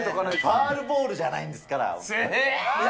ファウルボールじゃないんですげー！